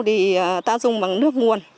thì ta dùng bằng nước nguồn